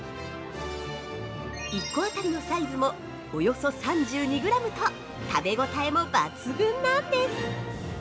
１個当たりのサイズも約３２グラムと食べ応えも抜群なんです。